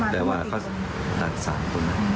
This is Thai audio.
แต่ว่าเขาตัดสายคน